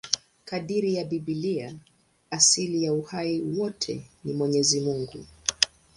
Kadiri ya Biblia, asili ya uhai wote ni Mwenyezi Mungu.